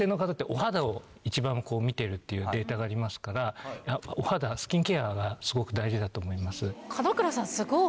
やっぱり。っていうデータがありますからお肌スキンケアがすごく大事だと思います。